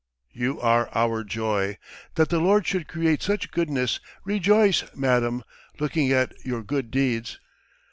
"You are our joy! That the Lord should create such goodness! Rejoice, Madam, looking at your good deeds!